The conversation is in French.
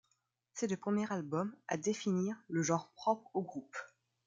C'est le premier album à définir le genre propre au groupe.